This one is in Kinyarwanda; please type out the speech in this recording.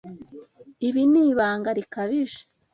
Ibi ni ibanga rikabije.